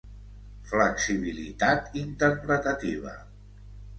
Flexibilitat interpretativa: